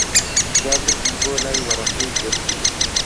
جا بردی بۆلای وەرەقەی جەلیل